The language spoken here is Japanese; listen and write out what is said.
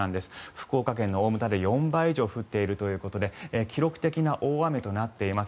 福岡県の大牟田で４倍以上降っているということで記録的な大雨となっています。